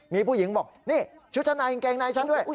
มีผู้หญิงบอกนี่ชุดชั้นในกางเกงในฉันด้วย